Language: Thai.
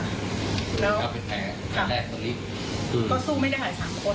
แล้วค่ะก็สู้ไม่ได้หายสามคน